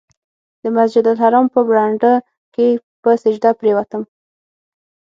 د مسجدالحرام په برنډه کې په سجده پرېوتم.